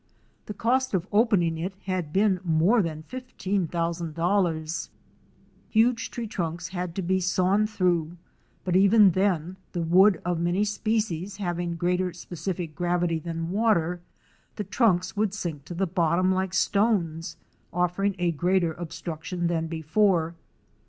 The cost of opening it had been more than $15,000. Huge tree trunks had to be sawn through, but even then, the wood of many species having greater specific gravity than water, the trunks would sink to the bottom like stones, offering a greater obstruction than before.